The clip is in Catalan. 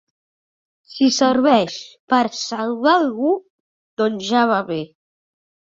Si serveix per salvar algú, doncs ja va bé.